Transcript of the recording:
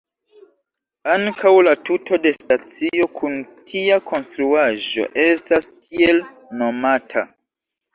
Ankaŭ la tuto de stacio kun tia konstruaĵo estas tiel nomata.